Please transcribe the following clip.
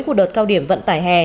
của đợt cao điểm vận tải hè